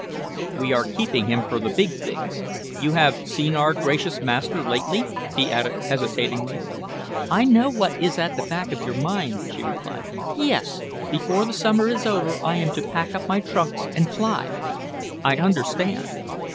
"We are keeping him for the big things. You have seen our gracious master lately?" he added hesitatingly. "I know what is at the back of your mind," she replied. "Yes! Before the summer is over I am to pack up my trunks and fly. I understand."